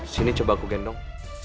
sini coba aku gendong